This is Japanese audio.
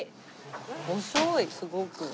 細いすごく。